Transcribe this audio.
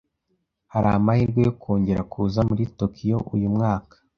Hari amahirwe yo kongera kuza muri Tokiyo uyu mwaka?